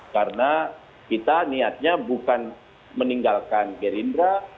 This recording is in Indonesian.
karena kita niatnya bukan meninggalkan gerindra